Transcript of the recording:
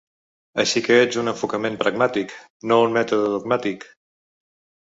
Així que ets un enfocament pragmàtic, no un mètode dogmàtic.